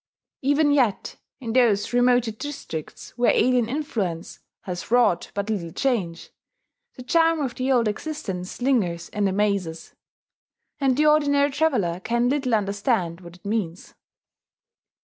Even yet, in those remoter districts where alien influence has wrought but little change, the charm of the old existence lingers and amazes; and the ordinary traveller can little understand what it means.